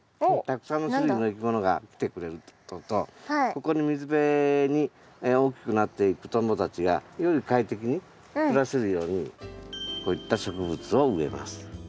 たくさんの種類のいきものが来てくれるってこととここに水辺に大きくなっていくトンボたちがより快適に暮らせるようにこういった植物を植えます。